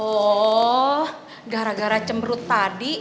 oh gara gara cembrut tadi